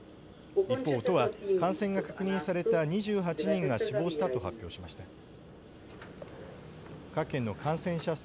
一方、都は感染が確認された２８人が死亡したと発表しました。